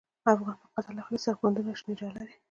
د افغان په قتل اخلی، سره پونډونه شنی ډالری